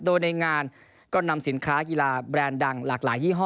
โดยในงานก็นำสินค้ากีฬาแบรนด์ดังหลากหลายยี่ห้อ